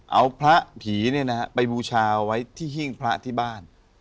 เอาพระผีนี่นะไปบูชาเอาไว้ที่พระที่บ้าน